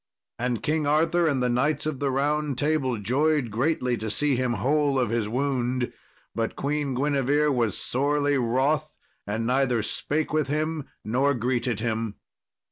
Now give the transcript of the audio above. And King Arthur and the Knights of the Round Table joyed greatly to see him whole of his wound, but Queen Guinevere was sorely wroth, and neither spake with him nor greeted him.